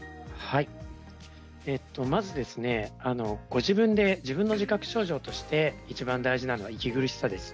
まず、ご自分で自覚症状としていちばん大事なのは息苦しさです。